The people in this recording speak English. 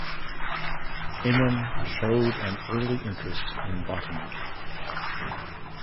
Ingham showed an early interest in botany.